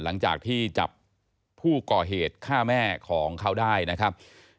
หลังจากที่จับผู้ก่อเหตุฆ่าแม่ของเขาได้นะครับ